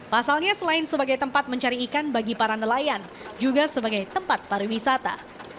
pasalnya selain sebagai tempat mencari ikan bagi para nelayan juga sebagai tempat pariwisata